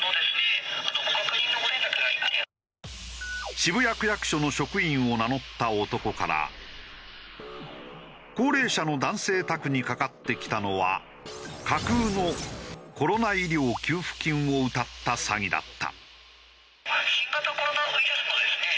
渋谷区役所の職員を名乗った男から高齢者の男性宅にかかってきたのは架空のコロナ医療給付金をうたった詐欺だった。